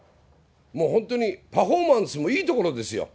もう本当にパフォーマンスもいいところですよ。